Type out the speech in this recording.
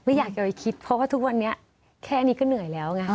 อยากจะไปคิดเพราะว่าทุกวันนี้แค่นี้ก็เหนื่อยแล้วไง